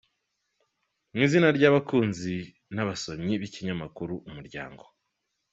Mu izina ry’abakunzi n’abasomyi b’ikinyamakuru Umuryango.